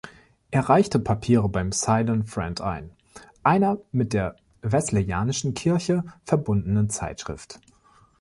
Er reichte Papiere beim „Ceylon Friend" ein, einer mit der Wesleyianischen Kirche verbundenen Zeitschrift.